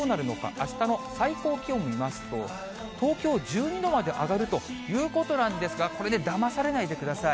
あしたの最高気温見ますと、東京１２度まで上がるということなんですが、これね、だまされないでください。